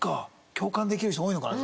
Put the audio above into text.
共感できる人多いのかな